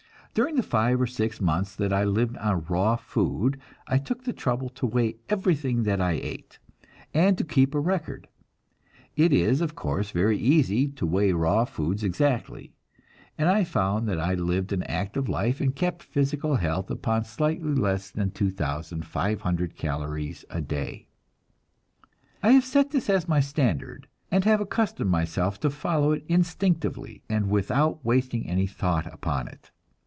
During the five or six months that I lived on raw food, I took the trouble to weigh everything that I ate, and to keep a record. It is, of course, very easy to weigh raw foods exactly, and I found that I lived an active life and kept physical health upon slightly less than 2,500 calories a day. I have set this as my standard, and have accustomed myself to follow it instinctively, and without wasting any thought upon it.